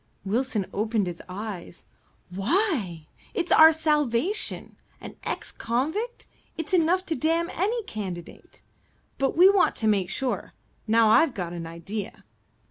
Wilson opened his eyes. "Why? It's our salvation. An ex convict it's enough to damn any candidate. But we want to make sure. Now I've got an idea."